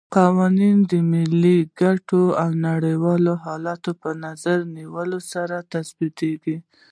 قوانین یې د ملي ګټو او نړیوالو حالاتو په نظر کې نیولو سره تصویبول.